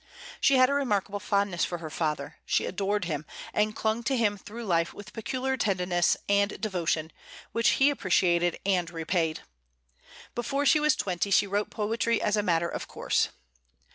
She had a remarkable fondness for her father, she adored him, and clung to him through life with peculiar tenderness and devotion, which he appreciated and repaid. Before she was twenty she wrote poetry as a matter of course.